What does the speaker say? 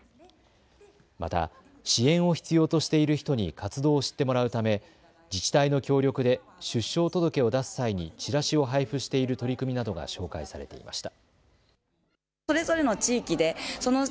また支援を必要としている人に活動を知ってもらうため自治体の協力で出生届を出す際にチラシを配付している取り組みなどが紹介されていました。